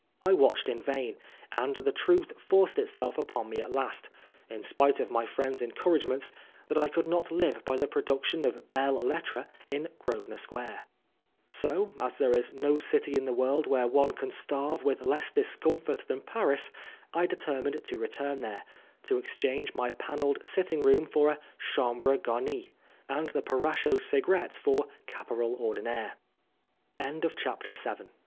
I watched in vain, and the truth forced itself upon me at last, in spite of my friend's en couragements, that I could not live by the pro duction of belles lettres in Grosvenor Square. So, as there is no city in the world where one can starve with less discomfort than Paris, I determined to return there, to exchange my panelled sitting room for a chambre garnie, an